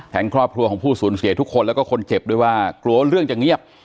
ครอบครัวของผู้สูญเสียทุกคนแล้วก็คนเจ็บด้วยว่ากลัวว่าเรื่องจะเงียบ